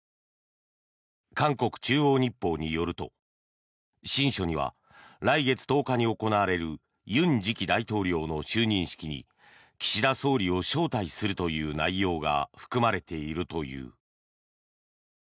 韓国中央日報によると親書には来月１０日に行われる尹次期大統領の就任式に岸田総理を招待するという内容が含まれているという。